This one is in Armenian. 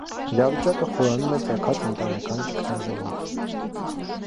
Իրավիճակը խորանում է ծագած ընտանեկան ճգնաժամով։